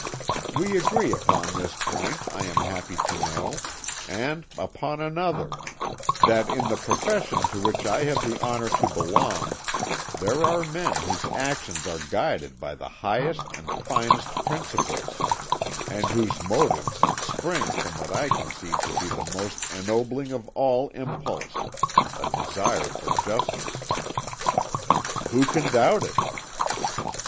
"We agree upon this point I am happy to know, and upon another that in the profession to which I have the honour to belong, there are men whose actions are guided by the highest and finest principles, and whose motives spring from what I conceive to be the most ennobling of all impulse, a desire for justice." "Who can doubt it?"